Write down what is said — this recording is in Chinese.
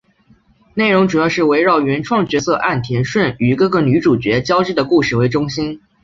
内容主要是围绕原创角色岸田瞬与各个女主角交织的故事为中心。